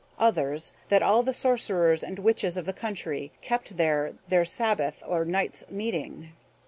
Others, That all the sorcerers and witches of the country kept there their sabbath or night's meeting.